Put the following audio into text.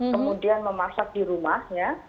kemudian memasak di rumahnya